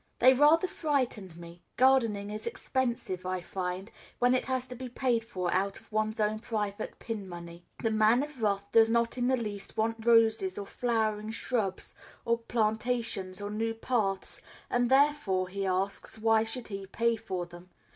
They rather frightened me. Gardening is expensive, I find, when it has to be paid for out of one's own private pin money. The Man of Wrath does not in the least want roses, or flowering shrubs, or plantations, or new paths, and therefore, he asks, why should he pay for them?